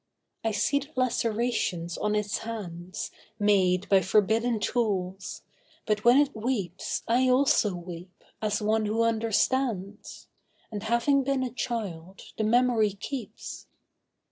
I see the lacerations on its hands, Made by forbidden tools; but when it weeps, I also weep, as one who understands; And having been a child, the memory keeps.